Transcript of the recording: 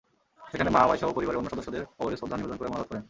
সেখানে মা, ভাইসহ পরিবারের অন্য সদস্যদের কবরে শ্রদ্ধা নিবেদন করে মোনাজাত করেন।